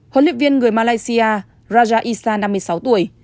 hỗ luyện viên người malaysia raja issa năm mươi sáu tuổi